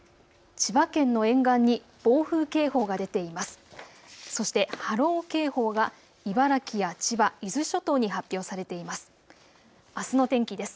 千葉県の沿岸に暴風警報が出ています。